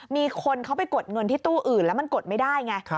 มีคนเขาไปกดเงินที่ตู้อื่นแล้วมันกดไม่ได้ไง